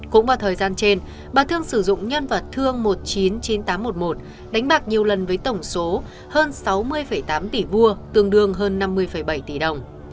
cũng vào thời gian trên bà thương sử dụng nhân vật thương một trăm chín mươi chín nghìn tám trăm một mươi một đánh bạc nhiều lần với tổng số hơn sáu mươi tám tỷ vuông tương đương hơn năm mươi bảy tỷ đồng